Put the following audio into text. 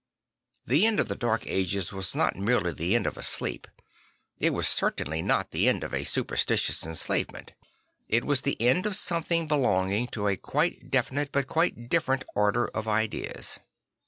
The end of the Dark Ages was not merely the end of a sleep. It was certainly not merely the end of a superstitious enslavement. It waS the end of something belonging to a quite definite but quite different order of ideas.